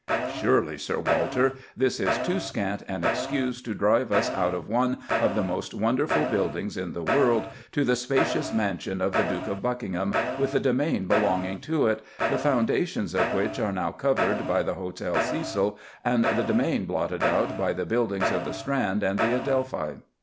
Really, Sir Walter, this is too scant an excuse to drive us out of one of the most wonderful buildings in the world to "the spacious mansion of the Duke of Buckingham with the demesne belonging to it," the foundations of which are now covered by the Hotel Cecil, and the "demesne" blotted out by the buildings of the Strand and the Adelphi.